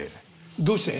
どうして？